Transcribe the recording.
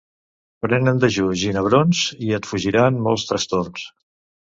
Pren en dejú ginebrons i et fugiran molts trastorns.